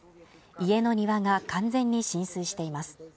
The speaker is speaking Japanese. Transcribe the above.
家の庭が完全に浸水しています。